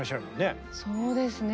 そうですね。